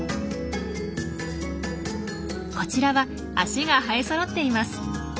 こちらは足が生えそろっています。